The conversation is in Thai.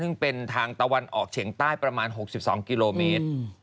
ซึ่งเป็นทางตะวันออกเฉียงใต้ประมาณ๖๒กิโลเมตร